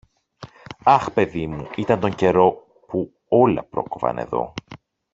Αχ, παιδί μου, ήταν τον καιρό που όλα πρόκοβαν εδώ!